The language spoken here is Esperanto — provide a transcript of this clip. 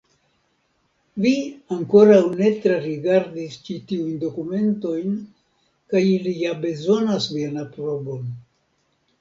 Vi ankoraŭ ne trarigardis ĉi tiujn dokumentojn, kaj ili ja bezonas vian aprobon.